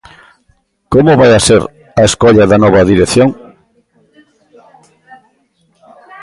Como vai ser a escolla da nova dirección?